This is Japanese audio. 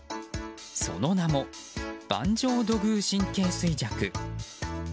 その名も板状土偶神経衰弱。